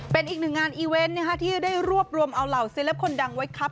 เป็นอีกหนึ่งงานอีเวนต์ที่ได้รวบรวมเอาเหล่าเซลปคนดังไว้ครับ